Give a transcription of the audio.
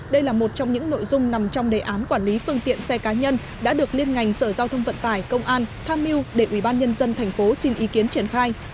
đây là một trong những nội dung nằm trong đề án quản lý phương tiện xe cá nhân đã được liên ngành sở giao thông vận tải công an tham miu để ubnd tp xin ý kiến triển khai